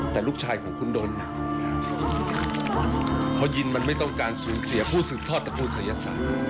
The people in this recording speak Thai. แต่ลูกชายของคุณโดนหนักเพราะยินมันไม่ต้องการสูญเสียผู้สืบทอดตระกูลศัยศาสตร์